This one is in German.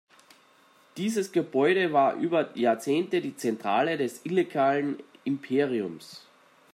Dieses Gebäude war über Jahrzehnte die Zentrale des illegalen Imperiums.